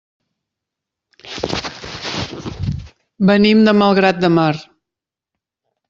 Venim de Malgrat de Mar.